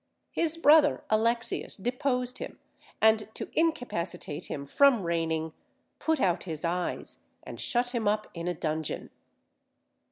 His brother Alexius deposed him, and to incapacitate him from reigning, put out his eyes, and shut him up in a dungeon.